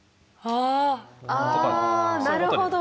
ああなるほど。